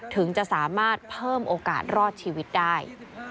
ถึงจะสามารถเพิ่มโอกาสรอดชีวิตได้